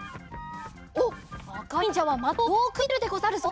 おっあかにんじゃは的をよくみてるでござるぞ。